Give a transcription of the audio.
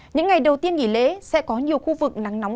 những ngày đầu tiên nghỉ lễ sẽ có nhiều khu vực nắng nóng